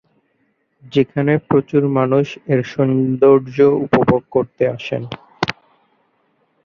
যেখানে প্রচুর মানুষ এর সৌন্দর্য্য উপভোগ করতে আসেন।